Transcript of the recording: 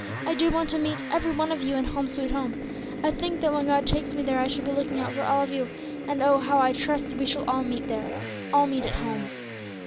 "I do want to meet every one of you in 'Home, sweet Home.' I think that when God takes me there I shall be looking out for all of you, and oh! how I trust we shall all meet there, all meet at home!